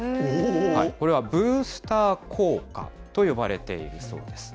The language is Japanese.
これはブースター効果と呼ばれているそうです。